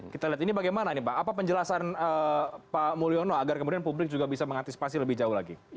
kita lihat ini bagaimana ini pak apa penjelasan pak mulyono agar kemudian publik juga bisa mengantisipasi lebih jauh lagi